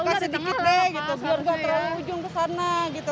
biar tidak terlalu ujung ke sana